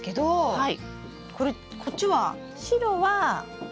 はい。